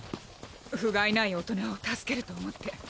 不甲斐ない大人を助けると思って。